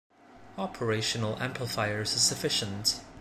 Operational amplifiers are sufficient.